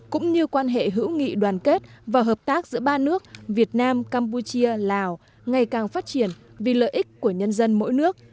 cũng như quan hệ hữu nghị đoàn kết và hợp tác giữa ba nước việt nam campuchia lào ngày càng phát triển vì lợi ích của nhân dân mỗi nước